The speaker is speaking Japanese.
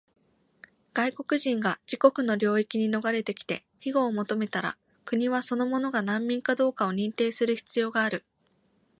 外国人が自国の領域に逃れてきて庇護を求めたら、国はその者が難民かどうかを認定する必要がある。